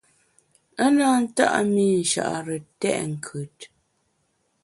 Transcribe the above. A na nta’ mi Nchare tèt nkùt.